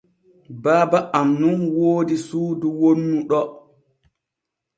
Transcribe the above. Baaba am nun woodi suudu wonnu ɗo.